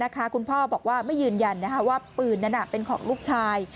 คุณพ่อบอกว่าไม่ยืนยันว่าปืนนั้นเป็นของลูกชาย